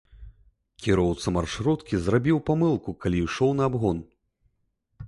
Кіроўца маршруткі зрабіў памылку, калі ішоў на абгон.